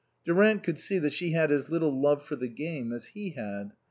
Durant could see that she had as little love for the game as he had.